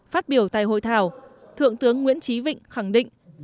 phát biểu tại hội thảo thượng tướng nguyễn trí vịnh khẳng định